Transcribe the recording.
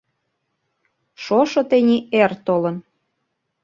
Шошо тений эр толын.